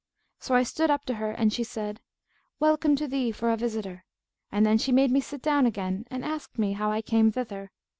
So I stood up to her and she said, 'Welcome to thee for a visitor!' and then she made me sit down again and asked me how I came thither.